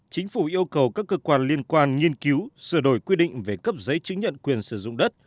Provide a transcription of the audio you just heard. chính phủ yêu cầu các cơ quan liên quan nghiên cứu sửa đổi quy định về cấp giấy chứng nhận quyền sử dụng đất